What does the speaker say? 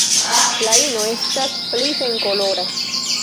La ino estas pli senkolora.